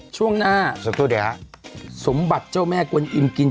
ช่วงหน้าครับสักครู่เดี๋ยวครับช่วงหน้าครับ